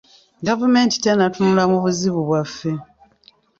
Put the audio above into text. Gavumenti tennatunula mu buzibu byaffe.